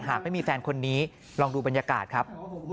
หากไม่มีแฟนคนนี้ลองดูบรรยากาศครับ